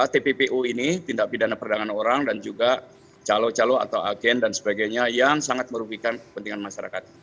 tppu ini tindak pidana perdagangan orang dan juga calo calo atau agen dan sebagainya yang sangat merugikan kepentingan masyarakat